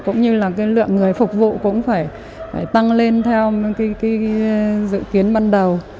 cũng như là cái lượng người phục vụ cũng phải tăng lên theo dự kiến ban đầu